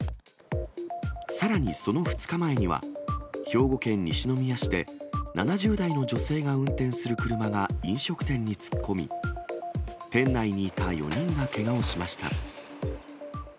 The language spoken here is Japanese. さらにその２日前には、兵庫県西宮市で、７０代の女性が運転する車が飲食店に突っ込み、店内にいた４人がけがをしました。